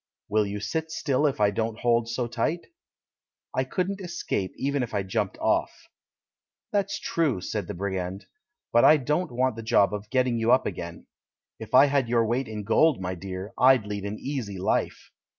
"Will you sit still if I don't hold so tight?" "I couldn't escape even if I jumped off." "That's true," said the brigand, "but I don't want the job of getting you up again; if I had your weight in gold, my dear, I'd lead an easy hfe!"